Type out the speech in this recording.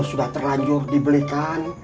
kalau sudah terlanjur dibelikan